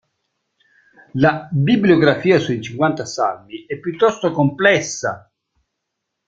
La bibliografia sui "Cinquanta salmi" è piuttosto complessa.